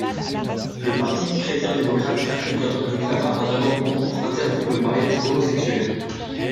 Le Parti chrétien-démocrate africain réclama un amendement pour interdire le mariage homosexuel.